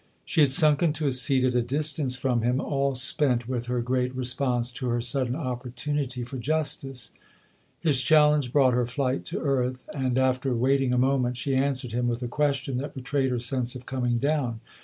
She had sunk into a seat at a distance from him, all spent with her great response to her sudden opportunity for justice. His challenge brought her flight to earth ; and after waiting a moment she answered him with a question that betrayed her sense of coming down.